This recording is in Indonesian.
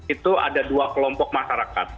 itu ada dua kelompok masyarakat